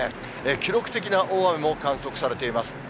記録的な大雨も観測されています。